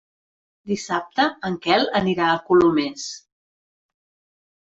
Dissabte en Quel anirà a Colomers.